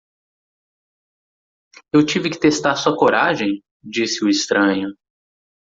"Eu tive que testar sua coragem?", disse o estranho.